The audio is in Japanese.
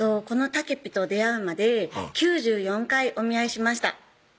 このたけぴと出会うまで９４回お見合いしました